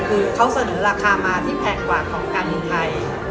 คือเขาเสนอราคามาที่แพงกว่าของการบินไทย